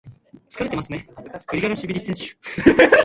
疲れてますね、グリガラシビリ選手。